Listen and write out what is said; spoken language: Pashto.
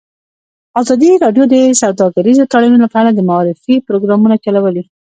ازادي راډیو د سوداګریز تړونونه په اړه د معارفې پروګرامونه چلولي.